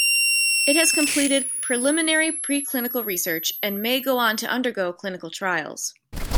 It has completed preliminary preclinical research and may go on to undergo clinical trials.